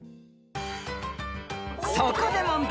［そこで問題］